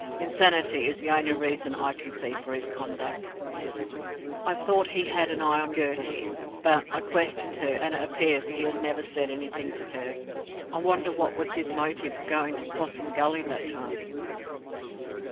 Insanity is the only reason I can see for his conduct. I thought he had his eye on Gertie, but I questioned her, and it appears he has never said anything to her. I wonder what was his motive for going to Possum Gully that time?